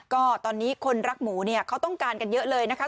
ก็ตอนนี้คนรักหมูเนี่ยเขาต้องการกันเยอะเลยนะคะ